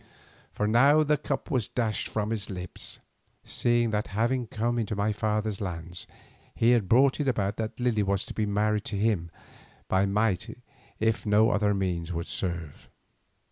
For now the cup was dashed from his lips, seeing that having come into my father's lands, he had brought it about that Lily was to be married to him by might if no other means would serve.